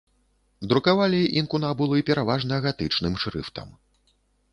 Друкавалі інкунабулы пераважна гатычным шрыфтам.